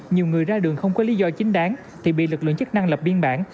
nhiều người ra đường không có lý do chính đáng thì bị lực lượng chức năng lập biên bản